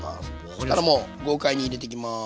そしたらもう豪快に入れていきます。